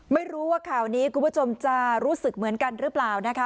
ไม่รู้ว่าข่าวนี้คุณผู้ชมจะรู้สึกเหมือนกันหรือเปล่านะคะ